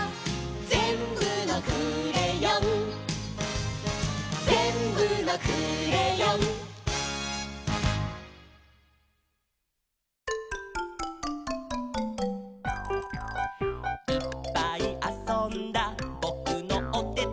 「ぜんぶのクレヨン」「ぜんぶのクレヨン」「いっぱいあそんだぼくのおてて」